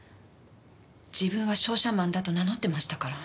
自分は商社マンだと名乗ってましたから。